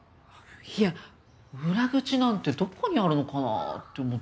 いや裏口なんてどこにあるのかなって思って。